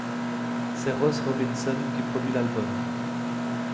C'est Ross Robinson qui produit l'album.